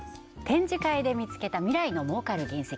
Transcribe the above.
展示会で見つけた未来の儲かる原石